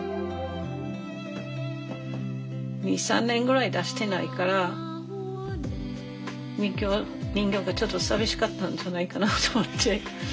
２３年ぐらい出してないから人形がちょっと寂しかったんじゃないかなと思って。